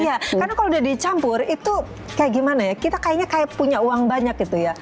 iya karena kalau udah dicampur itu kayak gimana ya kita kayaknya kayak punya uang banyak gitu ya